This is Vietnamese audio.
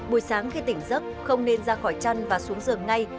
buổi sáng khi tỉnh dấc không nên ra khỏi chăn và xuống giường ngay